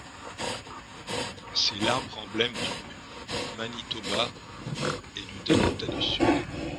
C'est l'arbre emblème du Manitoba et du Dakota du Sud.